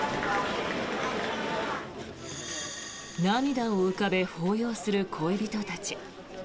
涙を浮かべ抱擁する恋人たち。